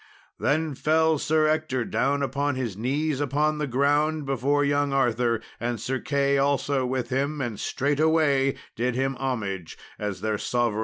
Then fell Sir Ector down upon his knees upon the ground before young Arthur, and Sir Key also with him, and straightway did him homage as their sovereign lord.